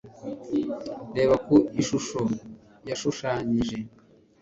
Reba ku ishusho yashushanyije.